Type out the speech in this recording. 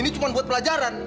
ini cuma buat pelajaran